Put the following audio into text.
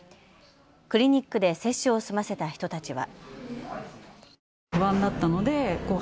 クリニックで接種を済ませた人たちは。